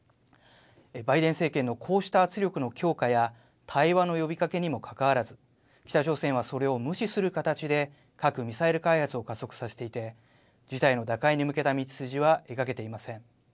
バイデン政権のこうした圧力の強化や対話の呼びかけにもかかわらず北朝鮮はそれを無視する形で核・ミサイル開発を加速させていて事態の打開に向けた道筋は描けていません。